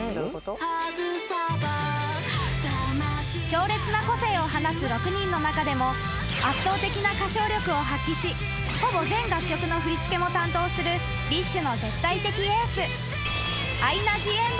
［強烈な個性を放つ６人の中でも圧倒的な歌唱力を発揮しほぼ全楽曲の振り付けも担当するＢｉＳＨの絶対的エース］